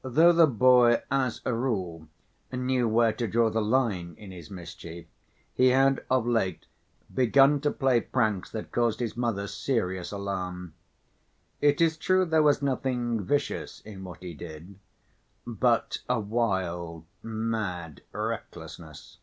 Though the boy, as a rule, knew where to draw the line in his mischief, he had of late begun to play pranks that caused his mother serious alarm. It is true there was nothing vicious in what he did, but a wild mad recklessness.